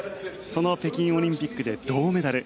その北京オリンピックで銅メダル。